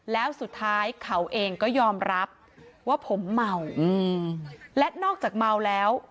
แล้วสุดท้ายเขาเองก็ยอมรับว่าผมเมาและนอกจากเมาแล้ว